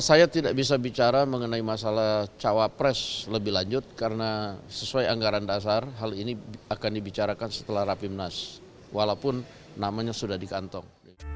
saya tidak bisa bicara mengenai masalah cawapres lebih lanjut karena sesuai anggaran dasar hal ini akan dibicarakan setelah rapimnas walaupun namanya sudah dikantong